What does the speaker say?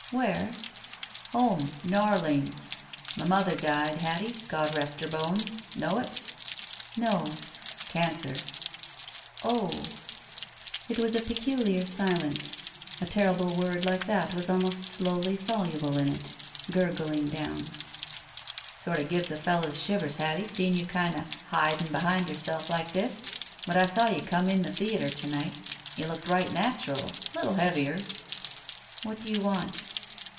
"Where?" "Home. N'Orleans. M' mother died, Hattie, God rest her bones. Know it?" "No." "Cancer." It was a peculiar silence. A terrible word like that was almost slowly soluble in it. Gurgbng down. "O oh!" "Sort of gives a fellow the shivers, Hattie, seeing you kinida hidin' behind yourself like this. But I saw you come in the theater to night. You looked right natural. Little heavier." What do you want